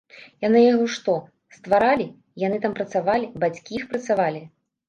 Яны яго што, стваралі, яны там працавалі, бацькі іх працавалі?!